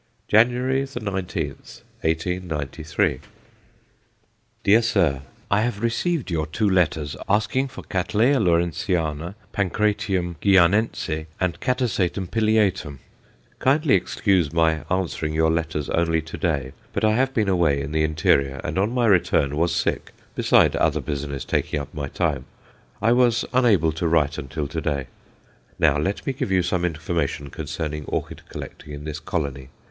January 19th, 1893. DEAR SIR, I have received your two letters asking for Cattleya Lawrenceana, Pancratium Guianense, and Catasetum pileatum. Kindly excuse my answering your letters only to day. But I have been away in the interior, and on my return was sick, besides other business taking up my time; I was unable to write until to day. Now let me give you some information concerning orchid collecting in this colony.